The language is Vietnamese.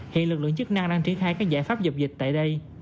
hiện lực lượng chức năng đang triển khai các giải pháp dập dịch tại đây